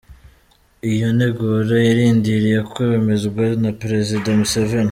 Iyo nteguro irindiriye kwemezwa na Prezida Museveni.